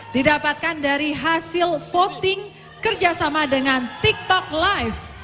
didapatkan dari hasil voting kerjasama dengan tiktok live